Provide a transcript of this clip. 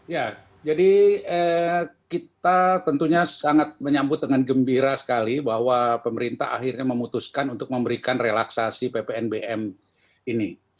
ya jadi kita tentunya sangat menyambut dengan gembira sekali bahwa pemerintah akhirnya memutuskan untuk memberikan relaksasi ppnbm ini